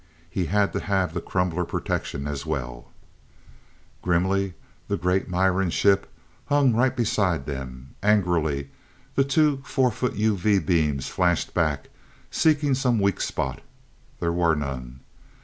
He had to have the crumbler protection as well !Grimly the great Miran ship hung right beside them. Angrily the two four foot UV beams flashed back seeking some weak spot. There were none.